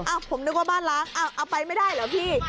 ผมนึกว่าบ้านล้างเอาไปไม่ได้เหรอพี่